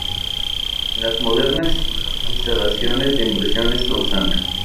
En las modernas instalaciones, la inversión es constante.